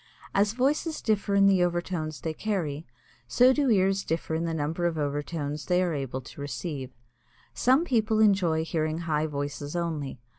As voices differ in the overtones they carry, so do ears differ in the number of overtones they are able to receive. Some people enjoy hearing high voices only.